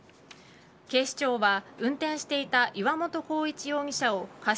警視庁は運転していた岩本耕一容疑者を過失